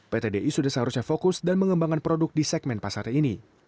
pt di sudah seharusnya fokus dan mengembangkan produk di segmen pasar ini